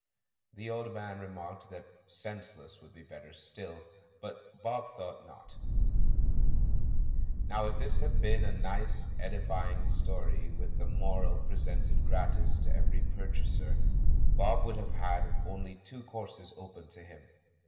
The old man remarked that "Senseless" would be better still, but Bob thought not. Now if this had been a nice, edifying story, THE CALL FROM THE PAST 385 with a Moral presented gratis to every purchaser. Bob would have had only two courses open to him.